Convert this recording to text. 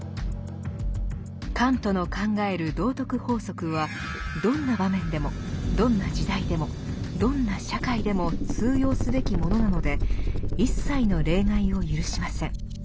カントの考える道徳法則はどんな場面でもどんな時代でもどんな社会でも通用すべきものなので一切の例外を許しません。